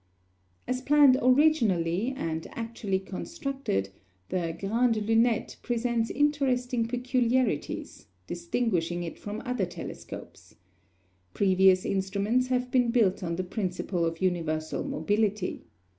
As planned originally, and actually constructed, the Grande Lunette presents interesting peculiarities, distinguishing it from other telescopes. Previous instruments have been built on the principle of universal mobility.